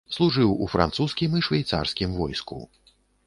Служыў у французскім і швейцарскім войску.